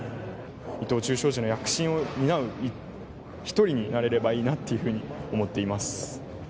伊藤忠商事の躍進を担う一人になれればいいなというふうに思っています。